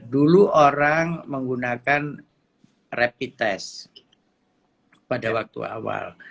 dulu orang menggunakan rapid test pada waktu awal